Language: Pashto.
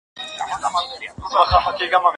د کور په لور روان شو